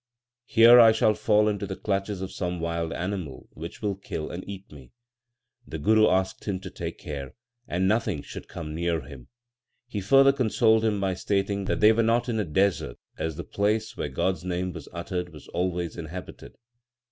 Here I shall fall into the clutches of some wild animal which will kill and eat me/ The Guru asked him to take care, and nothing should come near him. He further consoled him by stating that they were not in a desert, as the place where God s name was uttered was always inhabited.